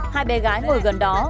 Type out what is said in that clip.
hai bé gái ngồi gần đó